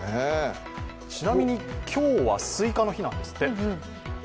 ちなみに今日はスイカの日なんですって。